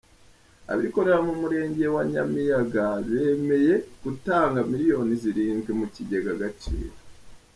Abikorera mu Murenge wa Nyamiyaga bemeye gutanga Miliyoni zirindwi mukigega agaciro